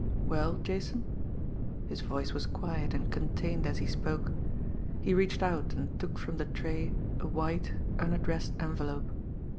"Well, Jason?" His voice was quiet and contained as he spoke. He reached out and took from the tray a white, unaddressed envelope.